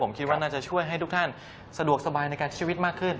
ผมคิดว่าน่าจะช่วยให้ทุกท่านสะดวกสบายในการชีวิตมากขึ้น